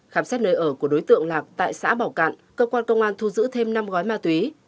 khám xét nơi ở của đối tượng lạc tại xã bảo cạn cơ quan công an thu giữ thêm năm gói ma túy